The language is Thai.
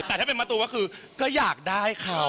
แต่ถ้าเป็นมะตูก็คือก็อยากได้เขา